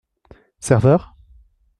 Serveur !